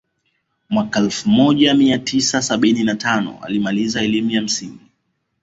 Mwaka elfu moja mia tisa sabini na tano alimaliza elimu ya msingi